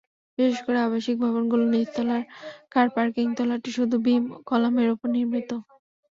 বিশেষ করে আবাসিক ভবনগুলোর নিচতলার কার পার্কিং তলাটি শুধু বিম-কলামের ওপর নির্মিত।